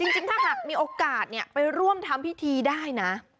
จริงถ้ามีโอกาสเนี่ยไปร่วมทำพิธีได้นะ